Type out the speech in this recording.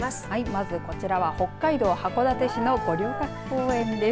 まずこちらは北海道函館市の五稜郭公園です。